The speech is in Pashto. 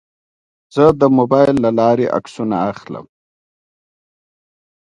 زه د موبایل له لارې عکسونه اخلم.